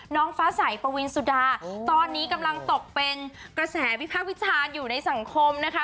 น้องฟ้าใสปวินสุดาตอนนี้กำลังตกเป็นกระแสวิพากษ์วิจารณ์อยู่ในสังคมนะคะ